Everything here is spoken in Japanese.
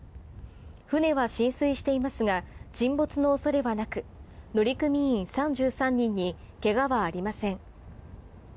船は浸水していますが沈没の恐れはなく乗組員３３人に怪我はありません。